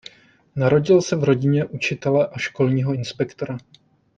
Narodil se v rodině učitele a školního inspektora.